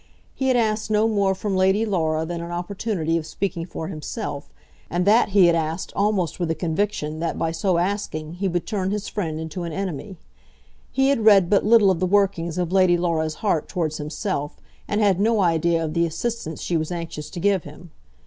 He had asked no more from Lady Laura than an opportunity of speaking for himself, and that he had asked almost with a conviction that by so asking he would turn his friend into an enemy. He had read but little of the workings of Lady Laura's heart towards himself, and had no idea of the assistance she was anxious to give him.